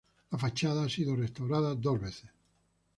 La fachada ha sido restaurada dos veces.